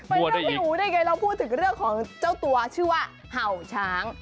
ไม่ใช่พี่อูได้ยังไงเราพูดถึงเรื่องของเจ้าตัวชื่อว่าเห่าช้าง